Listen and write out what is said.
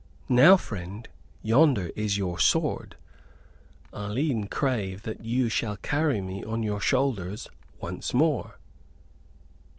"Now, friend, yonder is your sword. I'll e'en crave that you shall carry me on your shoulders once more!"